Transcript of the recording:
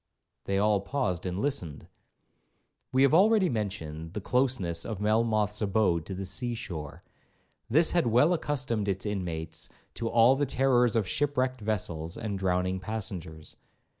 They all paused and listened. We have already mentioned the closeness of Melmoth's abode to the sea shore. This had well accustomed its inmates to all the terrors of shipwrecked vessels and drowning passengers.